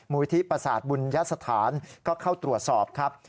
มปศบุญญสถานก็เข้าตรวจสอบครับ